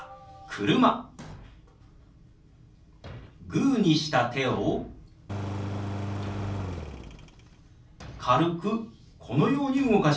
グーにした手を軽くこのように動かします。